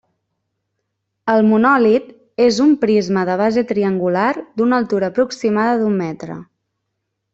El monòlit és un prisma de base triangular d'una altura aproximada d'un metre.